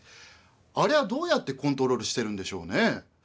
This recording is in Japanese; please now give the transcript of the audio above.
ありゃどうやってコントロールしてるんでしょうね？